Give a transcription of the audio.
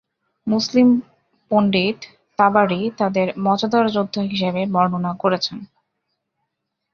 মুসলিম পণ্ডিত তাবারি তাদের মজাদার যোদ্ধা হিসাবে বর্ণনা করেছেন।